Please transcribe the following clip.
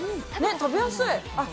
食べやすい。